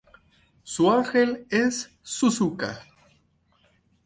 Su angel es Suzuka.